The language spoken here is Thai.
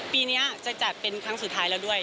ปีนี้จะจัดเป็นครั้งสุดท้ายแล้วด้วย